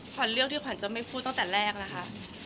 เลือกที่ขวัญจะไม่พูดตั้งแต่แรกนะคะ